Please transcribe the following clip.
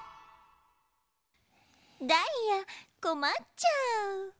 ダイヤこまっちゃう。